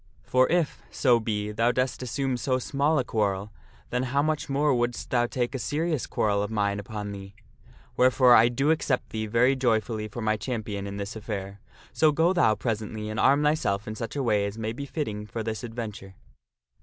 For if, so be, thou dost assume so small a quarrel, then how much more wouldst thou take a serious quarrel of mine upon thee ? Wherefore I do accept thee very joyfully for my champion in this affair. So go thou presently and arm thyself in such a way as may be fitting for this adventure."